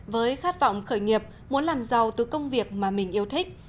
với khát vọng khởi nghiệp muốn làm giàu từ công việc mà mình yêu thích